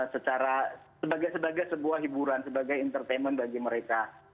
secara sebagai sebuah hiburan sebagai entertainment bagi mereka